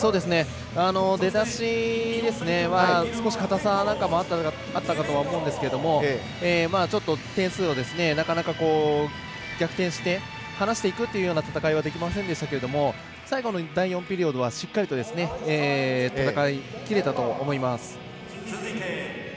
出だしは少し硬さなんかもあったかとは思うんですけどちょっと点数をなかなか逆転して離していくというような戦いはできませんでしたけど最後の第４ピリオドはしっかりと戦いきれたと思います。